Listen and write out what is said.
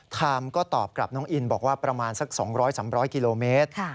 ไมค์ก็ตอบกับน้องอินบอกว่าประมาณสัก๒๐๐๓๐๐กิโลเมตร